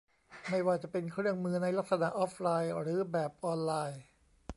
ไม่ว่าจะเป็นเครื่องมือในลักษณะออฟไลน์ หรือแบบออนไลน์